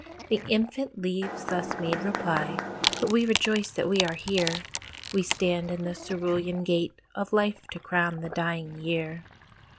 The infant Leaves thus made reply: "But we rejoice that we are here; We stand in the cerulean Gate Of Life to crown the dying Year.